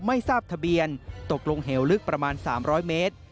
ไม่ทราบทะเบียนตกลงเหวลึกประมาณ๓๐๐เมตร